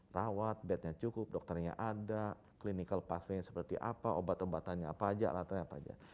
rawat bednya cukup dokternya ada clinical pasving seperti apa obat obatannya apa aja alatnya apa aja